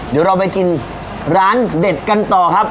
เดี๋ยวเราไปกินร้านเด็ดกันต่อครับ